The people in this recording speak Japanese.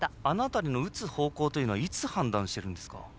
あの辺りの打つ方向というのはいつ判断しているんですか？